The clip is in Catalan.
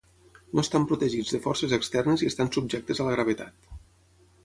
No estan protegits de forces externes i estan subjectes a la gravetat.